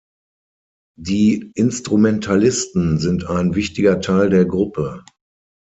Die Instrumentalisten sind ein wichtiger Teil der Gruppe.